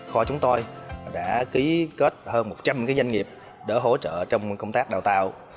khoa chúng tôi đã ký kết hơn một trăm linh doanh nghiệp để hỗ trợ trong công tác đào tạo